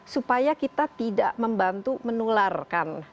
supaya kita tidak membantu menularkan